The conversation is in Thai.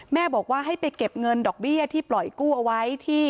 แม่บอกว่าให้ไปเก็บเงินดอกเบี้ยที่ปล่อยกู้เอาไว้ที่